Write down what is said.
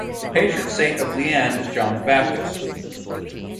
The patron saint of Lian is John the Baptist.